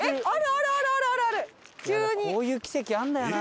こういう奇跡あるんだよな。